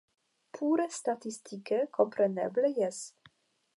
Pure statistike kompreneble jes.